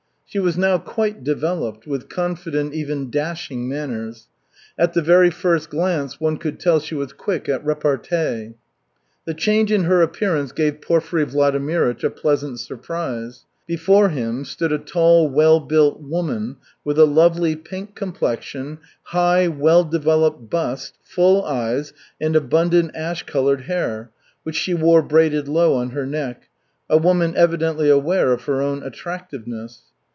She was now quite developed, with confident, even dashing manners. At the very first glance one could tell she was quick at repartee. The change in her appearance gave Porfiry Vladimirych a pleasant surprise. Before him stood a tall, well built woman with a lovely pink complexion, high, well developed bust, full eyes, and abundant ash colored hair, which she wore braided low on her neck a woman evidently aware of her own attractiveness.